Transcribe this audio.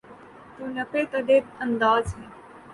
تو نپے تلے انداز سے۔